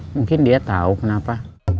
mungkin dia tau kenapa